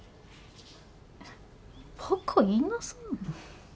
バカ言いなさんな。